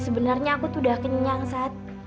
sebenarnya aku tuh udah kenyang saat